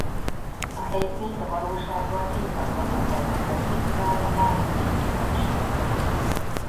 A helyszínt a valóságban Észak-Vancouverben vették fel a Mount Seymour hegységben.